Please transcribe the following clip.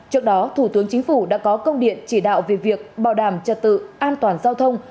trước đó thủ tướng chính phủ đã có công điện chỉ đạo về việc bảo đảm trật tự an toàn giao thông